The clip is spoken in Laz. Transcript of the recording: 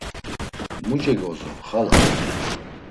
Mu cegozun xala?